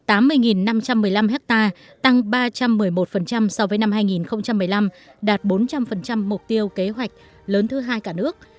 tăng một mươi năm ha tăng ba trăm một mươi một so với năm hai nghìn một mươi năm đạt bốn trăm linh mục tiêu kế hoạch lớn thứ hai cả nước